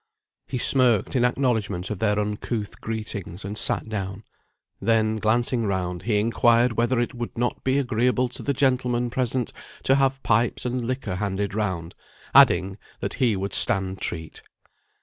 He smirked in acknowledgment of their uncouth greetings, and sat down; then glancing round, he inquired whether it would not be agreeable to the gentlemen present to have pipes and liquor handed round; adding, that he would stand treat.